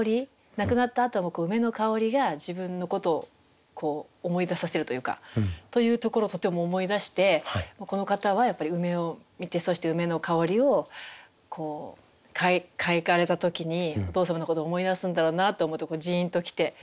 亡くなったあとも梅の香りが自分のことを思い出させるというか。というところをとても思い出してこの方はやっぱり梅を観てそして梅の香りをこう嗅がれた時にお父様のことを思い出すんだろうなと思うとじんと来て。